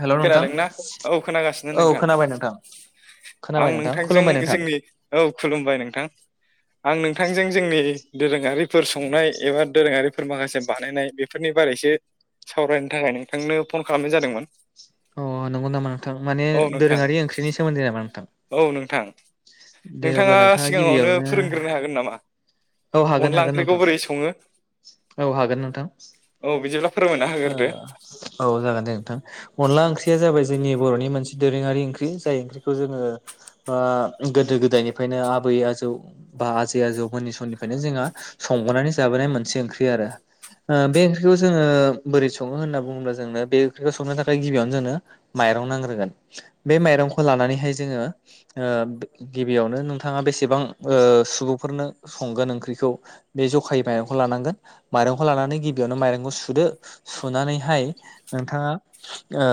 हेल' नोंथां खोनादोंना औ खोनागासिनो औ नोंथां। खोनाबाय नोंथां आं खोनाबाय नोंथां नोंथांजों खुलुमबाय नोंथां जोंनि औ खुलुमबाय नोंथां। आं नोंथांजों जोंनि दोरोङारिफोर संनाय एबा दोरोङारिफोर माखासे बानायनाय बे फोरनि बारैसो सावरायनो थाखाय नोंथांनो फन खालामनाय जादोंमोन। अ नंगौ नामा नोंथां माने औ नोंथां दोरोङारि ओंख्रिनि सोमोन्दै नामा नोंथां? औ नोंथां दे नोंथाङा अब्ला सिगाङावनो गिबियावनो फोरोंग्रोनो हागोन नामा? औ हागोन अनला हागोन ओंख्रिखौ नोंथां बोरै सङो हागोन नोंथां औ बिदिब्ला फोरमायना होग्रोदो औ जागोन दे नोंथां। अनला ओंख्रिया जाबाय जोंनि बरनि मोनसे दोरोङारि ओंख्रि जाय ओंख्रिखौ जोङो बा गोदो गोदायनिफ्रायनो आबै आजौ बा आजै आजौमोननि समनि फ्रायनो जोंहा संबोनानै जाबोनाय मोनसे ओंख्रि आरो। ओ बे ओंख्रिखौ जोङो बोरै सङो होनना बुङोब्ला जोंनो बे ओंख्रिखौ संनो थाखाय गिबियावनो जोंनो माइरं नांग्रोगोन बे माइरंखौ लानानैहाय जोङो ओ गिबियावनो नोंथाङा बेसेबां ओ सुबुंफोरनो संगोन ओंख्रिखौ बे जखायै माइरंखौ लानांगोन माइरंखौ लानानै गिबियावनो माइरंखौ सुदो सुनानैहाय नोंथाङा ओ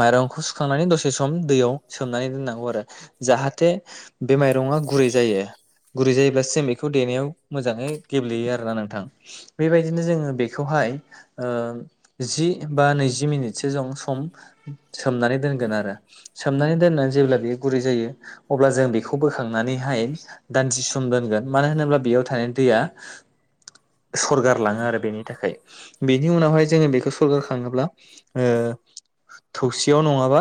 माइरंखौ सुखांनानै दसे सम दैयाव सोमनानै दोननांगौ आरो जाहाथे बे माइरंआ गुरै जायो। गुरै जायोब्लासो जों बेखौ देनायाव मोजाङै गेब्लेयो आरोना नोंथां। बेबायदिनो जोङो बेखौहाय ओ जि बा नैजि मिनिटसो जों सम सोमनानै दोनगोन आरो। सोमनानै दोननानै जेब्ला बे गुरै जायो अब्ला जों बेखौ बोखांनानैहाय दानसे सम दोनगोन मानो होनोब्ला बेयाव थानाय दैया सरगार लाङो आरो बेनि थाखाय बेनि उनावहाय जोङो बेखौ सरगार खाङोब्ला ओ थौसियाव नङाबा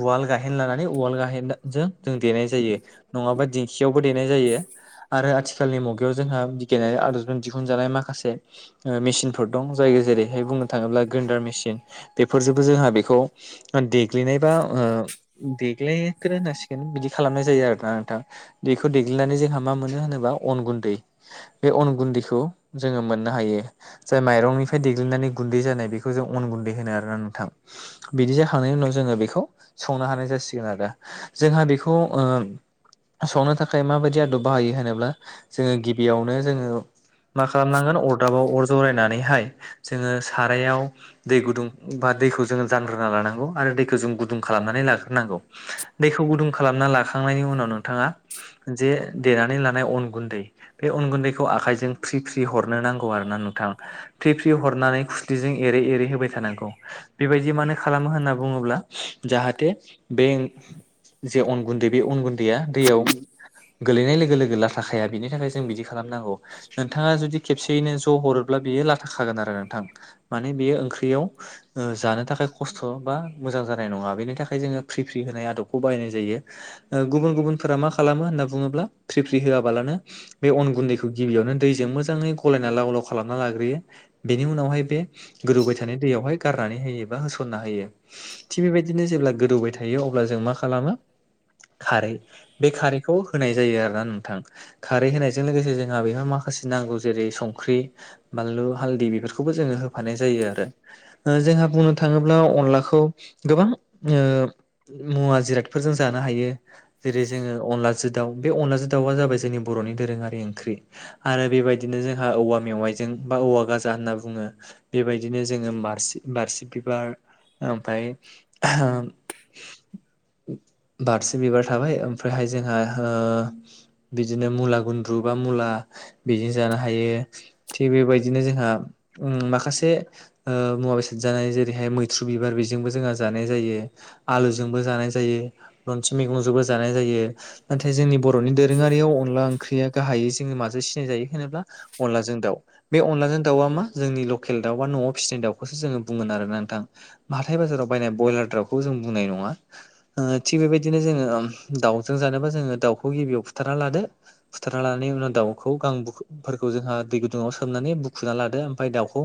उवाल गाहेन लानानै उवाल गाहेनजों जों देनाय जायो। नङाबा दिंखियावबो दे नाय जायो आरो आथिखालनि मुगायाव जोंहा बिगियानारि आदबजों दिहुनजानाय माखासे मेचिनफोर दं जाय जेरैहाय बुंनो थाङोब्ला ग्रेन्डार मेसिन बेफोरजोंबो जोंहा बेखौ देग्लिनाय बा ओ देग्लायखोनो होनांसिगोन बिदि खालामनाय जायो आरो ना नोंथां दे खौ देग्लिनानै जोंहा मा मोनो होनोबा अन गुन्दै बे अन गुन्दैखौ जोङो मोननो हायो। जाय माइरंनिफ्राय देग्लिनानै गुन्दै जानाय बेखौ जों अन गुन्दै होनो आरोना नोंथां। बिदि जाखांनायनि उनाव जोङो बेखौ संनो हानाय जासिगोन आरो ना। जोंहा बेखौ ओ संनो था खाय माबायदि आदब बाहायो होनोब्ला जोङो गिबियावनो जोङो मा खालामनांगोन अरदाबाव अर जरायनानैहाय जोङो सारायाव दै गुदुं बा दैखौ जोङो जानग्रोना लानांगौ आरो दैखौ जों गुदुं खालामनानै लाग्रोनांगौ। दैखौ गुदुं खालामना लाखांनायनि उनाव नोंथाङा जे देनानै लानाय अन गुन्दै बे अन गुन्दैखौ आखाइजों फ्रि फ्रि हरनो नांगौ आरो ना नोंथां। फ्रि फ्रि हरनानै खुस्लिजों एरै एरै होबाय थानांगौ। बेबायदि मानो खालामो होनना बुङोब्ला जाहाथे बे ओं जे अन गुन्दै बे अन गुन्दैआ दैयाव गोलैनाय लोगो लोगो लाथा खाया बिनि थाखाय जों बिदि खालामनांगौ। नोंथाङा जुदि खेबसेयैनो ज' हरोब्ला बियो लाथाखागोन आरो नोंथां माने बेयो ओंख्रियाव ओ जानो थाखाय खस्थ' बा मोजां जानाय नङा बेनि थाखाय जोङो फ्रि फ्रि होनाय आदबखौ बाहायनाय जायो। ओ गुबुन गुबुनफोरा मा खालामो होनना बुङोब्ला फ्रिफ्रि होआबालानो बे अन गुन्दैखौ गिबियावनो दैजों मोजाङै गलायना लाव लाव खालामना लाग्रोयो। बेनि उनावहाय बे गोदौबाय थानाय दैयावहाय गारनानै होयो बा होसनना होयो। थिग बेबायदिनो जेब्ला गोदौबाय थायो अब्ला जों मा खालामो खारै बे खारैखौ [unintelligible] आरो ना नोंथां खारै होनायजों लोगोसे जोंहा बेहाय माखासे नांगौ जेरै संख्रि बानलु, हालदि बेफोरखौबो जोङो होफानाय जायो आरो। जोंहा बुंनो थाङोब्ला अनलाखौ गोबां ओ मुवा जिरादफोरजों जानो हायो जेरै जोङो अनलाजो दाव बे अनलाजों दावा जाबाय जोंनि बर'नि दोरोङारि ओंख्रि। आरो बेबायदिनो जोंहा औवा मेवाइजों बा औवा गाजा होनना बुङो। बेबायदिनो जोङो मारसि बारसि बिबार ओमफाय बारसे बिबार थाबाय ओमफ्रायहाय जोंहा। ओ बिदिनो मुला गुन्द्रु बा मुला बिदि जानो हायो। थिग बेबायदिनो जोंहा ओ माखासे। ओ मुवा बेसाद जानाय जेरैहाय मैथ्रु बिबार बेजोंबो जोंहा जानाय जायो। आलुजोंबो जानाय जायो रन्सि मैगंजोंबो जानाय जायो। नाथाय जोंनि बर'नि दोरोङारियाव अनला ओंख्रिया गाहायै जोङो माजों सिनायजायो होनोब्ला। अनला जों दाउ बे अनलाजों दाउआ मा जोंनि लकेल दाउ बा न'आव फिसिनाय दाउखौसो जोङो बुंगोन आरो नोंथां। हाथाय बाजाराव बायनाय ब्रयलार दाउखौ जों बुंनाय नङा। थिग बेबायदिनो जोङो दाउजों जानोबा जोङो दाउखौ गिबियाव बुथारना लादो। फुथारना लानानै उनाव दाउखौ गां बुफोरखौ जोंहा दै गुदुङाव सोमनानै बुखुना लादो ओमफ्राय दाउखौ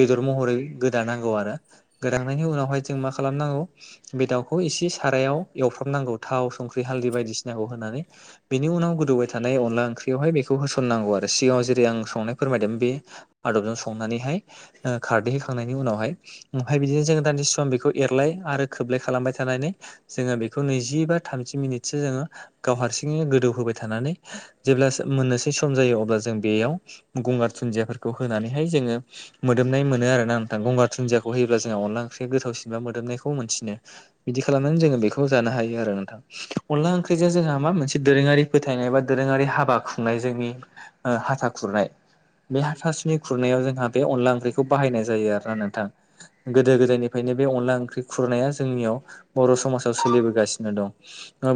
बेदर महरै गोदानांगौ आरो गोदांनायनि उनावहाय जों मा खालामनांगौ बे दाउखौ इसे सारायाव एवफ्रामनांगौ थाव संख्रि हालदै बायदिसिना ांग होनानै बेनि उनाव गोदौबाय थानाय अनला ओंखौ हो थननांगौ आरो सिगाङाव जेरै आं संनाय फोरमायदों बे आदबजों संनानैहाय ओ खारदैहैखांनायनि उनावहाय ओमफफ्राय बिदिनो जों दानि सम बेखौ एरलाय आरो खोबलाय खालामबाय थानानै जोङो बेखौ नैजि बा थामजि मिनिटसो जोङो गाव हारसिङैनो गोदौ होबाय थानानै जेब्ला मोननोसै सम जायो अब्ला जों बेयाव गंगार दुनदियाफोरखौ होनानैहाय जोङो मोदोमनाय मोनो आर ना नोंथां गंगार दुनन्दियाखौ होयोब्ला जोंहा अनला ओंख्रि गोथावसिनबा मोदोमनायखौ मोनसिनो बिदि खालामनानै जोङो बेखौ जानो हायो आरो नोंथां अन ओंख्रिजों जोंहा मा मोनसे दोरोङारि फोथायनाय बा दोरोङारि हाबा खुंनाय जोंनि ओ हाथा खुरनाय बे हाथासुनि खुरनायाव जोंहा बे अनला ओंख्रिखौ बाहायनाय जायो आरोना नोंथां गोदो गोदायनिफ्रायनो बे अनला ओंख्रि खुरनाया जोंनियाव बर' समाजाव सोलिबोगासिनो दं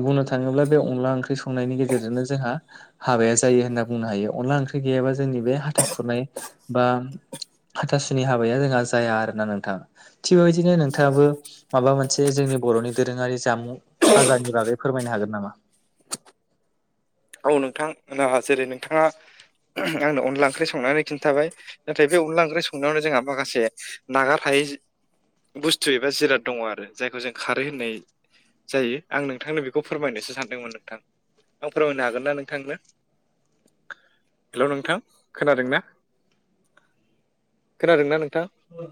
बुंनो थाङोब्ला बे अनला ओंख्रि संनायनि गेजेरजोंनो जोंहा हाबाया जायो होनना बुंनो हायो अनला ओंख्रि गैयाबा जोंनि बे हाथा खुरनाय बा हाथासुनि हाबाया जोंहा जाया आर ना नोंथाङा थिग बेबायदिनो नोंथाङाबो माबा मोन मोनसे जोंनि बर'नि दोरोङारि जामुं फाजारानि बागै फोरमायनो हागोन नामा औ नोंथां जेरै नोंथाङा आंनो अनला ओंख्रि संनानै खिन्थाबाय नाथाय बे अनला ओंख्रि संनायावनो जोंहा माखासे नागार हायै बुस्थु एबा जिराद दङ आरो जायखौ जों खारो होननाय जायो आं नोंथांनो बेखौ फोरमायनोसो सानदोंमोन नोंथां आं फोरमायनो हागोन ना नोंथांनो? हेल' नोंथां खोनादों ना? खोनादों ना नोंथां? औ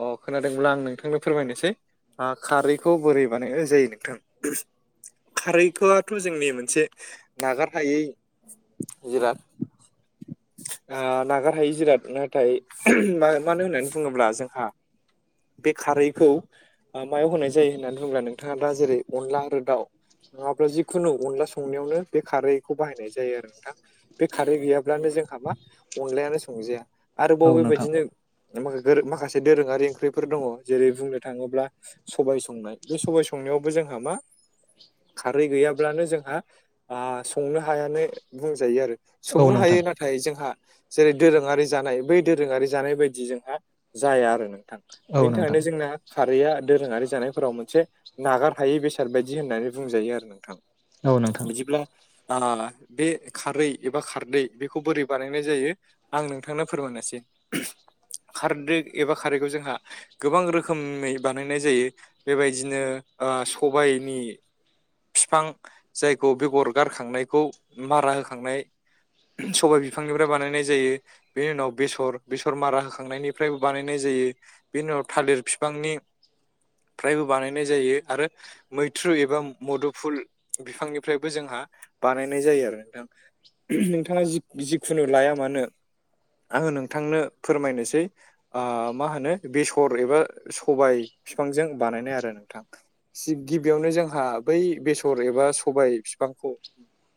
अ खोनादोंमोनब्ला आं नोंथांनो फोरमायनोसै खारैखौ बोरै बानायनाय जायो नोंथां खारैखौआथ' जोंनि मोनसे नागारखै ह जिराद ओ नागारहायि जिराद नाथाय मानो होननानै बुङोब्ला जोंहा बे खारैखौ ओ मायाव होनाय जायो होननानै बुङोब्ला नोंथाङा दा जेरै अनला आरो दाउ नङाब्ला जिखुनु अनला संनायावनो बे खारैखौ बाहायनाय जायो आरो नोंथां बे खारै गैयाब्लानो जोंहा मा अनलायानो संजाया आरोबाव औ नोंथां बेबायदिनो माखासे दोरोङारि ओंख्रिफोर दङ जेरै बुंनो थाङोब्ला सबाय संनाय बे सबाय संनायावबो जोंहा मा खारै गैयाब्लानो जोंहा आं बिखौ संनो हायानो बुंजायो आरो औ संनो नोंथां हायो नाथाय नाथाय जोंहा जेरै दोरोङारि जानाय बै दोरोङारि जानाय बायदि जोंहा जाया आरो नों थां औ बेनि नोंथां थाखायनो जोंना खारैया दोरोङारि जानायफोराव मोनसे नागार हायै बेसाद बायदि होननानै बुंजायो आरो नोंथां। औ नोंथां बिदिब्ला बे खारै एबा खारदै बेखौ बोरै बानायनाय जायो? आं नोंथांनो फोरमायनोसै खारदै एबा खारैखौ जोंहा गोबां रोखोमै बानायनाय जायो बेबायदिनो ओ सबायनि फिफां जायखौ बेगर गारखांनायखौ मारा होखांनाय सबाय बिफांनिफ्राय बानायनाय जायो बेनि उनाव बेसर बेसर मारा होखांनायनिफ्रायबो बानायनाय जायो बे उनाव थालिर बिफांनि फ्रायबो बानायनाय जायो आरो मैथ्रु एबा मुदुफुल बिफांनिफ्रायबो जोंहा बानायनाय जायो आरो नोंथां‌ नोंथाङा जि-जिखुनु लाया मानो। आङो नोंथांनो फोरमायनोसै। आ माहोनो बेसर एबा सबाय फिफांजों बानायनाय आरो नोंथां। जिब गिबियावनो जोंहा बै बेसर एबा सबाय फिफांखौ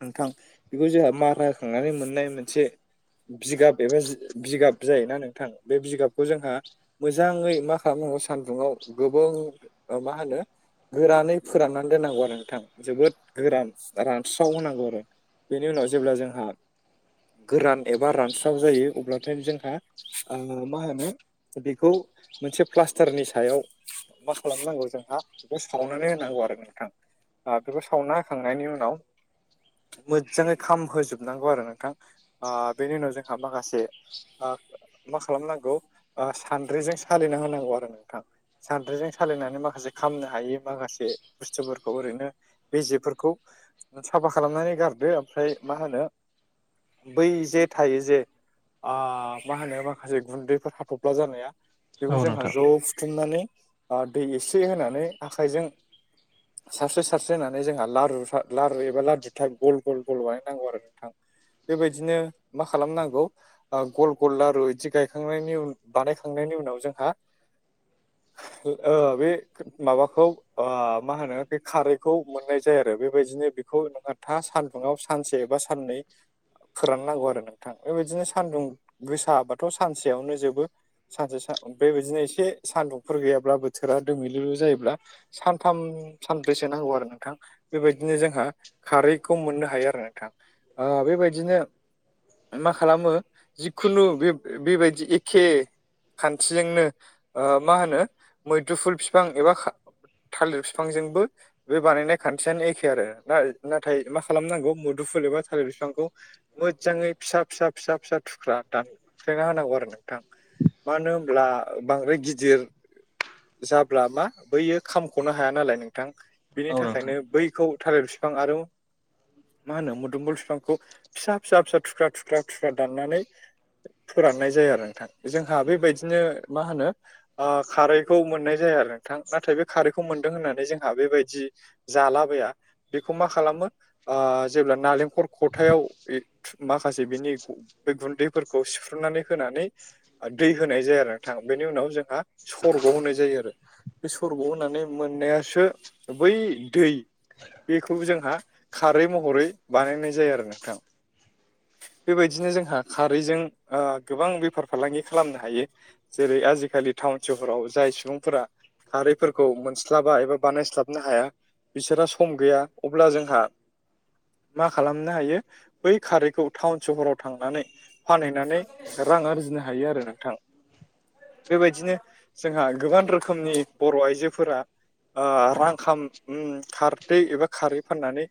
नोंथां बेखौ जोंहा मारा होखांनानै मोननाय मोनसे बिगाब एबा जि बिगाब जायोना नोंथां बे बिगाबखौ जोंहा मोजाङै मा खालामनांगौ सान्दुुङाव गोबों ओ मा होनो गोरानै फोराननानै दोननांगौ आरो नोंथां। जोबोद गोरान रानस्राव होनांगौ आरो बेनि उनाव जेब्ला जोंहा गोरान एबा रानस्राव जायो अब्लाथाय जोंहा ओ मा होनो बेखौ मोनसे प्लास्टारनि सायाव मा खालामनांगौ जोंहा बेखौ सावननानै होनांगौ आरो नोंथां। आ बेखौ सावना होखांनायनि उनाव मोजाङै खामहोजोबनांगौ आरो नोंथां। आ बेनि उनाव जोंहा माखासे आ मा खालामनांगौ ओ सान्द्रिजों सालिना होनांगौ आरो नोंथां। सान्द्रिजों सालिनानै माखासे खामनो हायि माखासे बुस्थुफोरखौ ओरैनो बे जेफोरखौ साफा खालामनानै गारदो ओमफ्राय मा होनो बै जे थायो जे आ मा होनो माखासे गुन्दैफोर हाथफ्ला जानाया। बेखौ औ जोंहा नोंथां ज' हुथुमनानै आ दै एसे होनानै आखायजों सारस्रो सा सारस्रि होननानै जोंहा लारु था लारु एबा लारु था गल गल गल बानायनांगौ आरो नोंथां। बेबायदिनो मा खालामनांगौ ओ गल गल लारु इदि गायखांनायनि उन बानायखांनायनि उनाव जोंहा ओ बे माबाखौ ओ मा होनो बे खारै खौ मोननाय जायो आरो बेबायदिनो बेखौ नोंहा था सानदुुङाव सानसे एबा साननै फोराननांगौ आरो नोंथां बेबायदिनो सान्दुं गोसाबाथ' सानसेयावनो जोबो। सानसे सा बेबायदिनो एसे सान्दुंफोर गैयाब्ला बोथोरा दोमहैलुलु जायोब्ला सानथाम सानब्रैसो सो नांगौ आरो नोंथां बेबायदिनो जोंहा खारैखौ मोननो हायो आरो नोंथां। ओ बेबायदिनो मा खालामो जिखुनु बे-बेबायदि एखे खान्थिजोंनो ओ मा होनो मैदुफुल फिफ फां एबा खा थालिर फिफांजोंबो बे बानायनाय खान्थियानो एखे आरो ना-नाथाय मा खालामनांगौ मुदुफुल एबा थालिर बिफांखौ मोजाङै फिसा फिसा फिसा फिसा थुख्रा दानफ्लेना होनांगौ आरो नोंथां माहोनो ब्ला बांद्राय गिदिर जाब्ला मा बैयो खामख'नो हाया नालाय नोंथां बिनि औ नोंथां थाखायनो बैखौ थालिर फिफां आरो मा होनो मुदुमफुल फिफांखौ फिसा फिसा फिसा थुख्रा थुख्रा थुख्रा दाननानै फोराननाय जायो आरो नोंथां जोंहा बेबायदिनो मा होनो ओ खारैखौ मोननाय जाया आरो नोंथां नाथाय बे खारैखौ मोनदों होननानै जोंहा बेबाय दि जालाबाया बेखौ मा खालामो ओ जेब्ला नालेंखर खथायाव माखासे बिनि बे गुन्दैफोरखौ सिफ्रुनानै होनानै दै होनाय जायो आरो नोंथां बेनि उनाव जोंहा सरखौ होनाय जायो आरो। बे सरब' होनानै मोननायासो बै दै बेखौ जोंहा खारै महरै बानायनाय जायो आरो नोंथां। बेबायदिनो जोंहा खारैजों ओ गोबां बेफार फालांगि खालामनो हायो। जेरै आजिखालि टाउन सहराव जाय सुबुंफोरा खारैफोरखौ मोनस्लाबा एबा बानायस्लाब नो हाया बिसोरहा सम गैया अब्ला जोंहा मा खालामनो हायो बै खारैखौ टाउन सहराव थांनानै - फानहैनानै रां आरजिनो हायो आरो नोंथां‌‌। बेबायदिनो जोंहा गोबां रोखोमनि बर' आइजोफोरा रां खाम खारदै एबा खारै फाननानै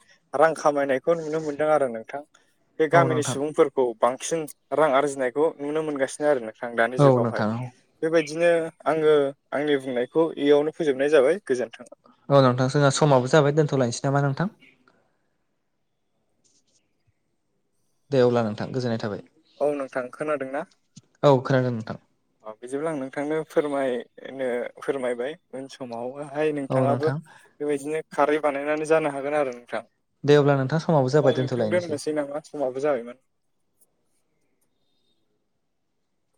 रां खामायनायखौ नुनो मोनदों आरो नोंथां। बे औ गामिनि नोंथां सुबुंफोरखौ बांसिन रां आरजिनायखौ नुनो मोनगासिनो आरो नो थां दानि औ जुगावहाय। नोंथां बेबायदिनो आङो आंनि बुंनायखौ इयावनो फोजोबनाय जाबाय गोजोन्थों। औ नोंथां जोंहा समाब जाय दोनथ'लायनोसै नामा नोंथां? दे अब्ला नोंथां गोजोननाय थाबाय। औ नोंथां खोनादों ना? औ खोनादों नोंथां। अ बिदिब्लाब्ला आं नोंथांनो फोरमायनो फोरमायबाय। उन समावहाय औ नोंथाङाबो नोंथां बेबायदिनो खारै बानायनानै जानो हागोन आरो नोंथां। दे अब्ला नोंथां समाबो जाबाय औ नोंथां दोनथ'लायनोसै दोननोसै नामा समाबो जाबायमोन।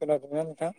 खोनादोंना नोंथां?